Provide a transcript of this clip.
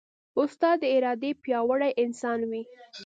استاد د ارادې پیاوړی انسان وي.